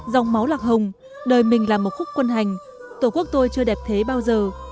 dòng máu lạc hồng đời mình là một khúc quân hành tổ quốc tôi chưa đẹp thế bao giờ